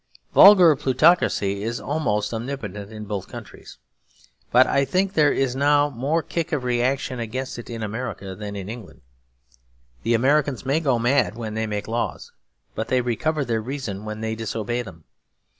Vulgar plutocracy is almost omnipotent in both countries; but I think there is now more kick of reaction against it in America than in England. The Americans may go mad when they make laws; but they recover their reason when they disobey them.